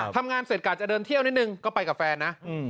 ทำงานเสร็จกะจะเดินเที่ยวนิดนึงก็ไปกับแฟนนะ